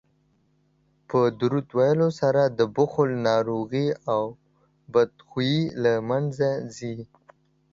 په درود ویلو سره د بخل ناروغي او بدخويي له منځه ځي